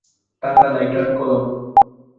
টাকা, লাইটার, কলম।